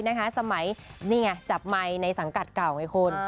สมัยนี่ไงจับไมค์ในสังกัดเก่าไงคุณ